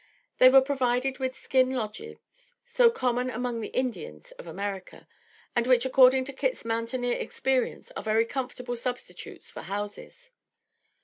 They were provided with skin lodges, so common among the Indians of America, and which according to Kit's mountaineer experience are very comfortable substitutes for houses.